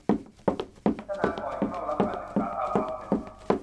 พัฒนาก่อนเข้ารับการศึกษาตามวรรคหนึ่ง